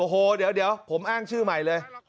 โอ้โหเดี๋ยวผมอ้างชื่อใหม่เลย